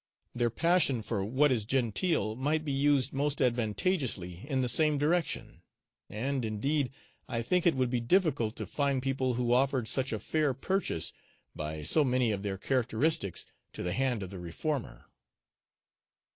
Their passion for what is genteel might be used most advantageously in the same direction; and indeed, I think it would be difficult to find people who offered such a fair purchase by so many of their characteristics to the hand of the reformer.